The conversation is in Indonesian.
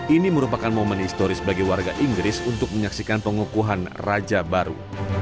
ini merupakan momen historis bagi warga inggris untuk menyaksikan pengukuhan raja baru